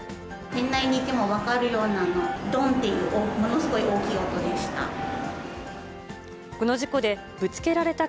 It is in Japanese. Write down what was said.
店内にいても分かるような、どんという、ものすごい大きい音でした。